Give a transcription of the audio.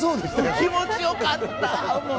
気持ちよかった。